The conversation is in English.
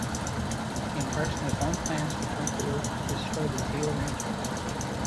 He embarks on his own plans to conquer Earth and destroy the Zeo Rangers.